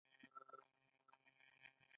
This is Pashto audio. مجاهد د خپل ایمان دفاع ته لومړیتوب ورکوي.